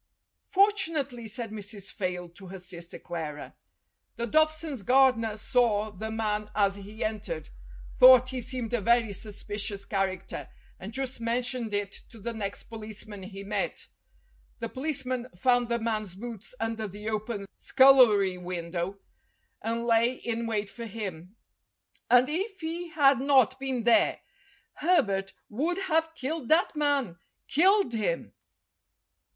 "Fortunately," said Mrs. Fayle to her sister Clara, "the Dobsons' gardener saw the man as he entered, thought he seemed a very suspicious character, and just mentioned it to the next policeman he met. The policeman found the man's boots under the open scul lery window, and lay in wait for him. And if he had not been there, Herbert would have killed that man killed him!"